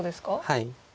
はい。